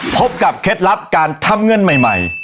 พบกับเคล็ดลับการทำเงินใหม่